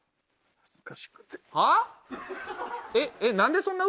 恥ずかしくて。